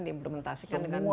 diimplementasikan dengan baik